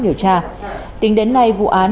điều tra tính đến nay vụ án